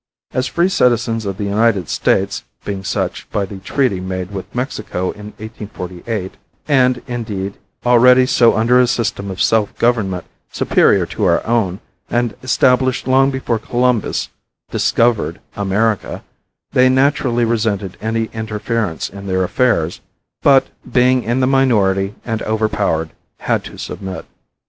As free citizens of the United States, being such by the treaty made with Mexico in 1848 and, indeed, already so under a system of self government superior to our own and established long before Columbus discovered America, they naturally resented any interference in their affairs but, being in the minority and overpowered, had to submit.